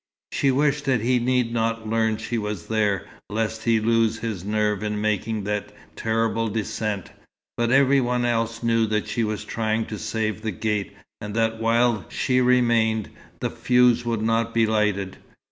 She wished that he need not learn she was there, lest he lose his nerve in making that terrible descent. But every one else knew that she was trying to save the gate, and that while she remained, the fuse would not be lighted.